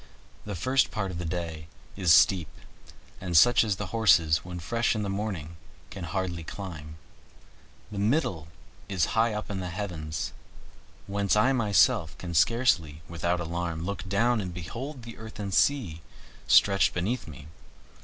The first part of the way is steep, and such as the horses when fresh in the morning can hardly climb; the middle is high up in the heavens, whence I myself can scarcely, without alarm, look down and behold the earth and sea stretched beneath me.